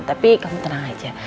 tapi kamu tenang aja